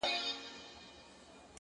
مهرباني د درناوي تخم شیندي,